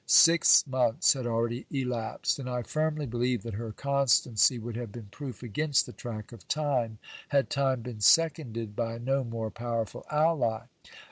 Six months had already elapsed, and I firmly believe that her constancy would have been proof against the track of time, had time been seconded by no more powerful ally.